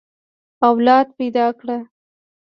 اولاد پيدا کړه.